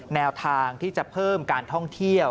แนวทางที่จะเพิ่มการท่องเที่ยว